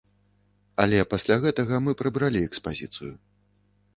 Але пасля гэтага мы прыбралі экспазіцыю.